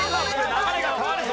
流れが変わるぞ。